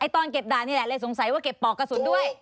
ตอนเก็บด่านนี่แหละเลยสงสัยว่าเก็บปอกกระสุนด้วย